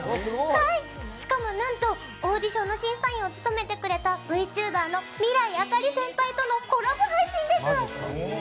しかも何と、オーディションの審査員を務めてくれたＶＴｕｂｅｒのミライアカリ先輩とのコラボ配信です！